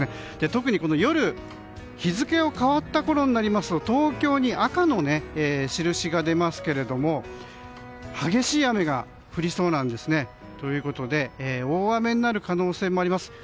特に、夜日付が変わったころになりますと東京に赤の印が出ますけども激しい雨が降りそうなんですね。ということで大雨になる可能性もあります。